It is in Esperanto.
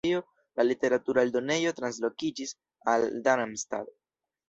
La literatura eldonejo translokiĝis al Darmstadt.